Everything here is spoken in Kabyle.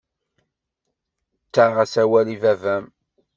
Ttaɣ-as awal i baba-m.